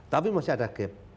tapi masih ada gap